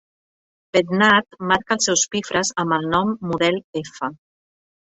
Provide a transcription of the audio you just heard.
Bednarz marca els seus pifres amb el nom "Model F".